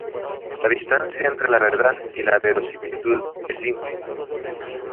La distancia entre la verdad y la verosimilitud es ínfima.